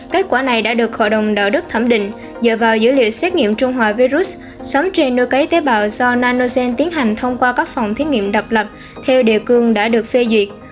kết quả này đã được hội đồng đạo đức thẩm định dựa vào dữ liệu xét nghiệm trung hòa virus sống trên nuôi cấy tế bào do ananozen tiến hành thông qua các phòng thiết nghiệm đập lật theo điều cương đã được phê duyệt